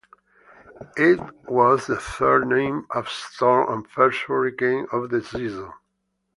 It was the third named storm and first hurricane of the season.